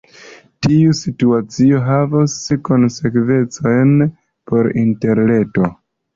Tiu situacio havos konsekvencojn por Interreto.